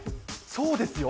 そうですよ。